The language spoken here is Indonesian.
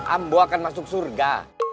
ambo akan masuk surga